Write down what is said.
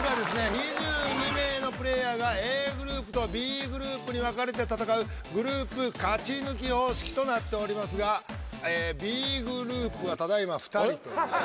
２２名のプレーヤーがＡグループとＢグループに分かれて戦うグループ勝ち抜き方式となっておりますがはははっ。